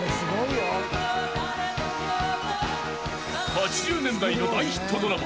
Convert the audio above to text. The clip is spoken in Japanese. ［８０年代の大ヒットドラマ］